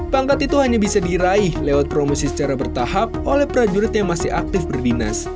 pangkat itu hanya bisa diraih lewat promosi secara bertahap oleh prajurit yang masih aktif berdinas